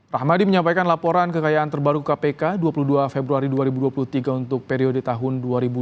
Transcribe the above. rahmadi menyampaikan laporan kekayaan terbaru kpk dua puluh dua februari dua ribu dua puluh tiga untuk periode tahun dua ribu dua puluh